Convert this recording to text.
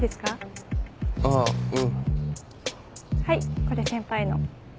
はいこれ先輩の。